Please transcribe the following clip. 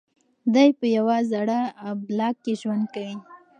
دی په یوه زاړه بلاک کې ژوند کوي.